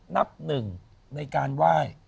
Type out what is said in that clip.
นับหนึ่งในการไหว้